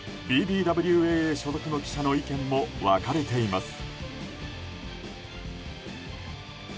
ＢＢＷＡＡ所属の記者の意見も分かれています。